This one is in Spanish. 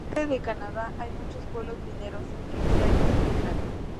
En el norte de Canadá hay muchos pueblos mineros que extraen estos minerales.